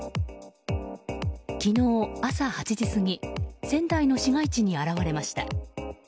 昨日朝８時過ぎ仙台の市街地に現れました。